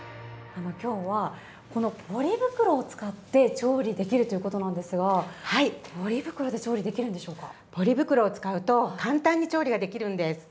今日は、このポリ袋を使って調理できるということなんですがポリ袋で調理できるんでしょうか。